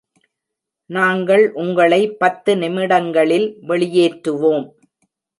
நாங்கள் உங்களை பத்து நிமிடங்களில் வெளியேற்றுவோம்.